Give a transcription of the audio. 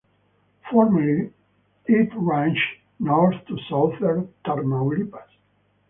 Formerly it ranged north to southern Tamaulipas.